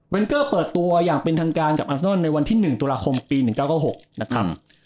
เกอร์เปิดตัวอย่างเป็นทางการกับอัลสนอนในวันที่๑ตุลาคมปี๑๙๙๖นะครับ